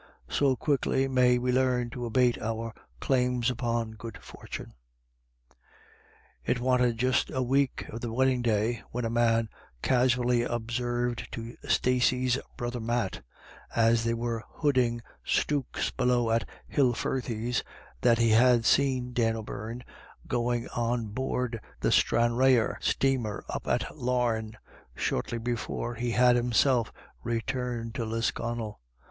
So quickly may we learn to abate our claims upon good fortune. It wanted just a week of the wedding day, when a man casually observed to Stacey 's brother Matt, as they were hooding stooks below at Hilfirthy's, that he had seen Dan O'Beirne going on board the Stranraer steamer up at Larne, shortly before he had himself returned to Lisconnel.